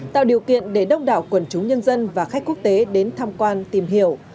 tạo điều kiện để đông đảo quần chúng nhân dân và khách quốc tế đến tham quan tìm hiểu